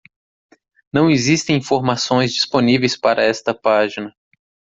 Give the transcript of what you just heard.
Não existem informações disponíveis para esta página.